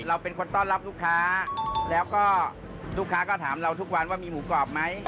เราเป็นคนต้อนรับลูกค้าแล้วก็ลูกค้าก็ถามเราทุกวันว่ามีหมูกรอบไหม